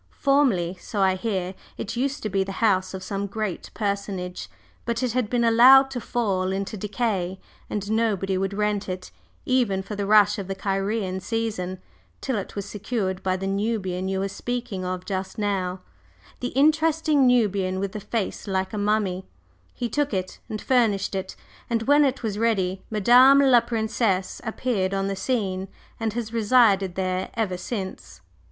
Formerly, so I hear, it used to be the house of some great personage; but it had been allowed to fall into decay, and nobody would rent it, even for the rush of the Cairene season, till it was secured by the Nubian you were speaking of just now the interesting Nubian with the face like a mummy; he took it and furnished it, and when it was ready Madame la Princesse appeared on the scene and has resided there ever since."